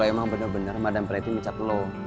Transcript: emang bener bener madam preti mencapeloh